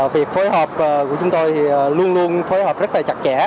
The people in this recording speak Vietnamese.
việc phối hợp của chúng tôi thì luôn luôn phối hợp rất là chặt chẽ